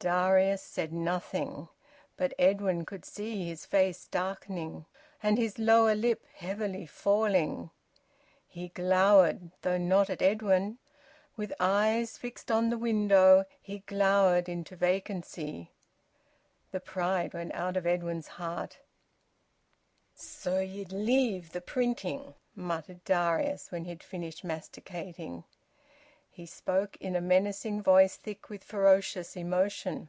Darius said nothing. But Edwin could see his face darkening, and his lower lip heavily falling. He glowered, though not at Edwin. With eyes fixed on the window he glowered into vacancy. The pride went out of Edwin's heart. "So ye'd leave the printing?" muttered Darius, when he had finished masticating. He spoke in a menacing voice thick with ferocious emotion.